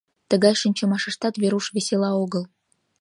Тыгай шинчымашыштат Веруш весела огыл.